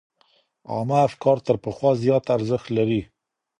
عامه افکار تر پخوا زيات ارزښت لري.